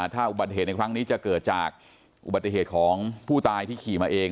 ถ้าอุบัติเหตุในครั้งนี้จะเกิดจากอุบัติเหตุของผู้ตายที่ขี่มาเอง